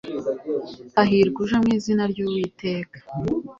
Hahirwa uje mu izina ry'Uwiteka!»